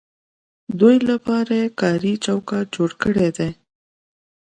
دوی لپاره کاري چوکاټ جوړ کړی دی.